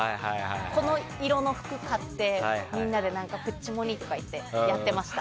この色の服を買ってみんなでプッチモニとか言ってやってました。